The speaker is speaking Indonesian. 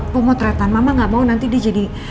pemotretan mama nggak mau nanti dia jadi